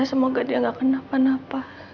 semoga dia gak kena apa apa